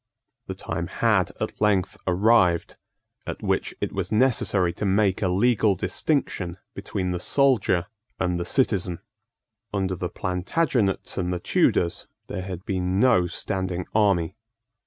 The time had at length arrived at which it was necessary to make a legal distinction between the soldier and the citizen. Under the Plantagenets and the Tudors there had been no standing army.